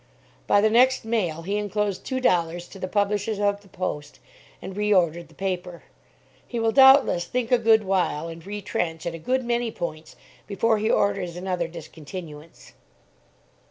By the next mail, he enclosed two dollars to the publishers of the "Post," and re ordered the paper. He will, doubtless, think a good while, and retrench at a good many points, before he orders an other discontinuance.